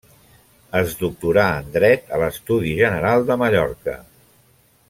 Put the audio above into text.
Es doctorà en dret a l'Estudi General de Mallorca.